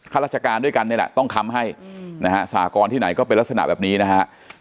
ราชการด้วยกันนี่แหละต้องค้ำให้นะฮะสากรที่ไหนก็เป็นลักษณะแบบนี้นะฮะ